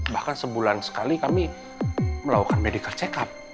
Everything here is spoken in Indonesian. bahkan sebulan sekali kami melakukan medical check up